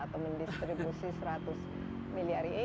atau mendistribusi seratus miliar